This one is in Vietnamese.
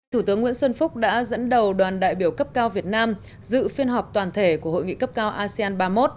thủ tướng nguyễn xuân phúc đã dẫn đầu đoàn đại biểu cấp cao việt nam dự phiên họp toàn thể của hội nghị cấp cao asean ba mươi một